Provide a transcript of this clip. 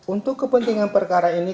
untuk kepentingan perkara ini